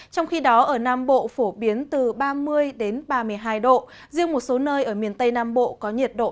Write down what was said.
trong khi đó ở nam bộ phổ biến từ ba mươi ba mươi năm độ